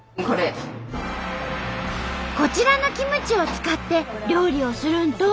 こちらのキムチを使って料理をするんと！